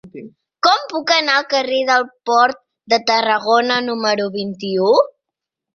Com puc anar al carrer del Port de Tarragona número vint-i-u?